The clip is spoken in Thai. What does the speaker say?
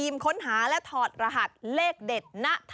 มาเป็นแผง